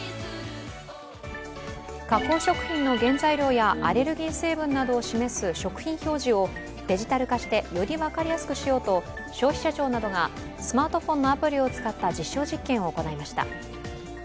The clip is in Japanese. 加工食品の原材料やアレルギー成分などを示す食品表示をデジタル化してより分かりやすくしようと、消費者庁などがスマートフォンのアプリを使った実証実験を行いました。